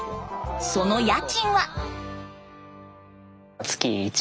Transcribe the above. その家賃は？